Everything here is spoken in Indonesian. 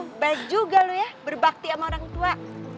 gimana juga lu ya berbakti sama orang tua